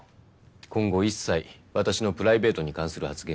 今後一切私のプライベートに関する発言はしないように。